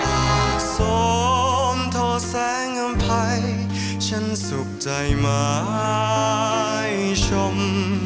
หากสมโทแสงอำภัยฉันสุขใจหมายชม